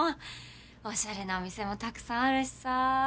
おしゃれなお店もたくさんあるしさ。